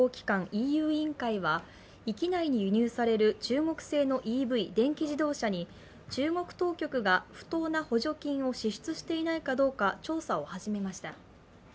ＥＵ委員会は域内に輸入される中国製のＥＶ＝電気自動車に中国当局が不当な補助金を支出していないかどうか調査を始めました。